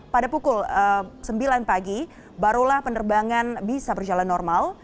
pada pukul sembilan pagi barulah penerbangan bisa berjalan normal